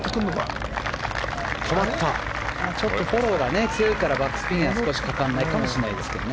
ちょっとフォローが強いからバックスピンはかかりにくいかもしれませんね。